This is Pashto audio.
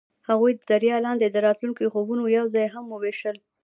هغوی د دریا لاندې د راتلونکي خوبونه یوځای هم وویشل.